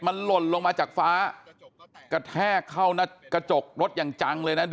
มันหล่นลงมาจากฟ้ากระแทกเข้าหน้ากระจกรถอย่างจังเลยนะ